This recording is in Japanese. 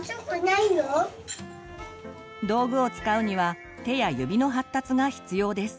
道具を使うには手や指の発達が必要です。